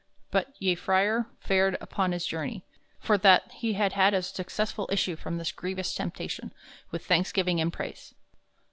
But ye frere fared upon his journey, for that he had had a successful issue from this grevious temptation, with thanksgiving and prayse.